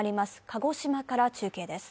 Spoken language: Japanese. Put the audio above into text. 鹿児島から中継です。